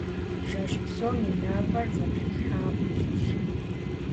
Жэщ псом и напӀэр зэтрилъхьакъым лӀыжьым.